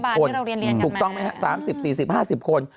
คนถูกต้องไหมครับ๓๐๔๐๕๐คน